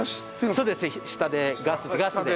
そうですね下でガスで。